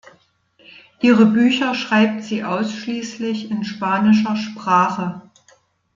Ihre Bücher schreibt sie ausschließlich in spanischer Sprache.